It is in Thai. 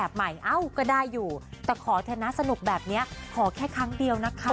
ใหม่เอ้าก็ได้อยู่แต่ขอเถอะนะสนุกแบบนี้ขอแค่ครั้งเดียวนะคะ